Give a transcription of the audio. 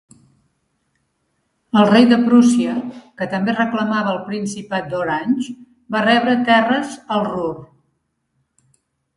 El Rei de Prússia, que també reclamava el Principat d'Orange, va rebre terres al Ruhr.